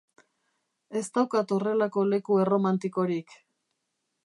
Ez daukat horrelako leku erromantikorik.